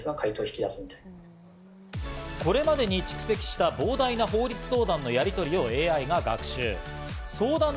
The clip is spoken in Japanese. これまでに蓄積した膨大な法律相談のやりとりをＡＩが学習。